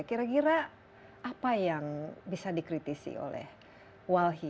kira kira apa yang bisa dikritisi oleh walhi